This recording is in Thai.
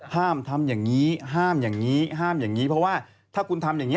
ห้ามทำอย่างนี้ห้ามอย่างนี้ห้ามอย่างนี้เพราะว่าถ้าคุณทำอย่างนี้